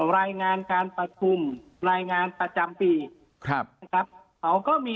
รายงานการประชุมรายงานประจำปีครับเขาก็มีนะครับ